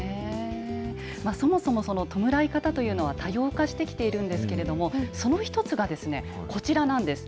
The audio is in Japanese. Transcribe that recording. そもそも弔い方というのは、多様化してきているんですけれども、その一つがこちらなんです。